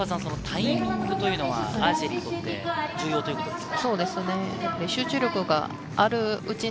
それほどタイミングというのはアーチェリーにとって重要ということですか？